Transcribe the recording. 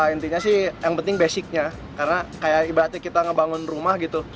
intinya sih yang penting basicnya karena kayak ibaratnya kita ngebangun rumah gitu